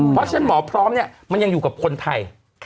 เพราะฉะนั้นหมอพร้อมเนี่ยมันยังอยู่กับคนไทย